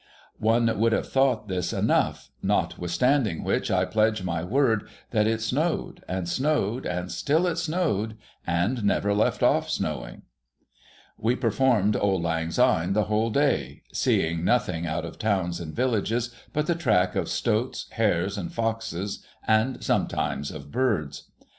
One would have thought this enough : notwithstanding which, I pledge my word that it snowed and snowed, and still it snowed, and never left off snowing. We performed Auld Lang Syne the whole day ; seeing nothing, out of towns and villages, but the track of stoats, hares, and foxes, and sometimes of birds.